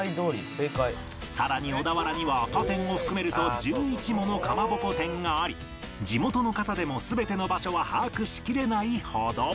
さらに小田原には他店を含めると１１ものかまぼこ店があり地元の方でも全ての場所は把握しきれないほど